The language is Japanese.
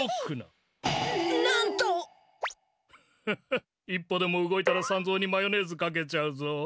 フフ一歩でも動いたら三蔵にマヨネーズかけちゃうぞ。